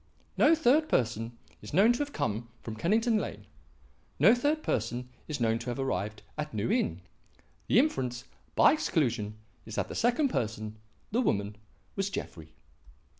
No third person is known to have come from Kennington Lane; no third person is known to have arrived at New Inn. The inference, by exclusion, is that the second person the woman was Jeffrey.